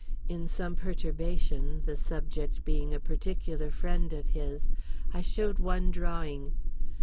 In some perturbation (the subject being a particular friend of his) I showed one drawing.